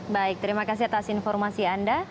baik terima kasih atas informasi anda